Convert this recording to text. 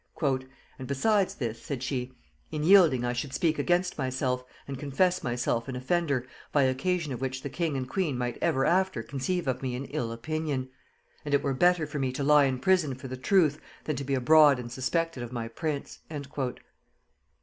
"And besides this," said she, "in yielding I should speak against myself, and confess myself an offender, by occasion of which the king and queen might ever after conceive of me an ill opinion; and it were better for me to lie in prison for the truth, than to be abroad and suspected of my prince."